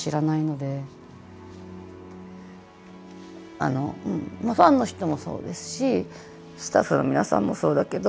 あのうんファンの人もそうですしスタッフの皆さんもそうだけど